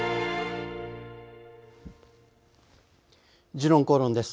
「時論公論」です。